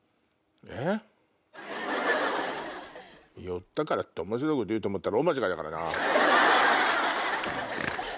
寄ったからって面白いこと言うと思ったら大間違いだからな。